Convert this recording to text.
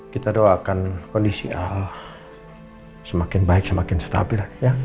kita doakan kondisi al semakin baik semakin stabil